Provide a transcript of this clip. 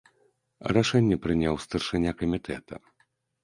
Рашэнне прыняў старшыня камітэта.